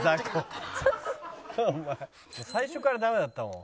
最初からダメだったもん。